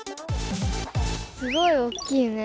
すごいおっきいね。